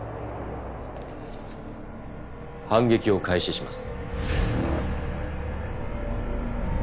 反撃を開始します。